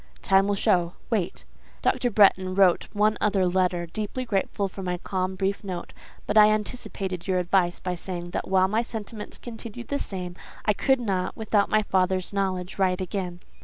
"Time will show. Wait." "Dr. Bretton wrote one other letter, deeply grateful for my calm, brief note; but I anticipated your advice, by saying, that while my sentiments continued the same, I could not, without my father's knowledge, write again."